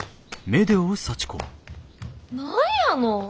何やの。